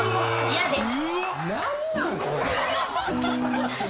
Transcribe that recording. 嫌です。